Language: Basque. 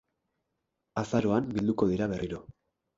Azaroan bilduko dira berriro.